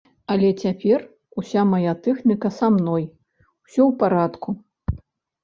Але цяпер уся мая тэхніка са мной, усё ў парадку.